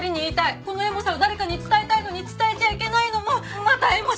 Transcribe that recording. このエモさを誰かに伝えたいのに伝えちゃいけないのもまたエモし。